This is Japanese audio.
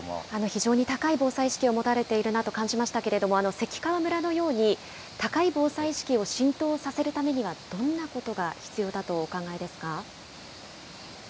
非常に高い防災意識を持たれているなと感じましたけれども、関川村のように、高い防災意識を浸透させるためにはどんなことが必要だとお考えですか。